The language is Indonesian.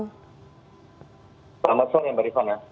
selamat sore mbak rifana